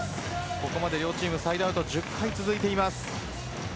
ここまで両チームサイドアウトは１０回続いています。